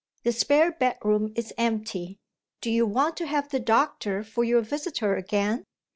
The spare bedroom is empty. Do you want to have the doctor for your visitor again?